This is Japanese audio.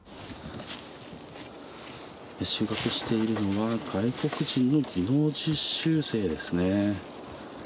収穫しているのは、外国人の技能実習生ですね。